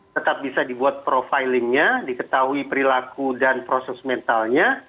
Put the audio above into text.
tetap bisa dibuat profilingnya diketahui perilaku dan proses mentalnya